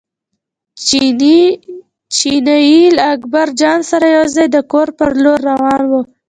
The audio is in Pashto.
چیني له اکبرجان سره یو ځای د کور پر لور روان و.